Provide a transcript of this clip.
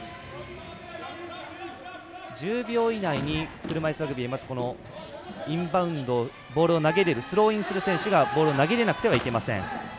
１０秒以内に車いすラグビーはインバウンドボールを投げ入れるスローインする選手がボールを投げ入れなくてはいけません。